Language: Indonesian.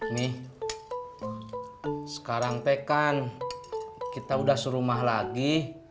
nih sekarang teh kan kita udah serumah lagi